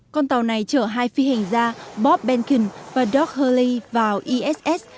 con tàu này chở hai phi hành gia bob behnken và doug hurley vào iss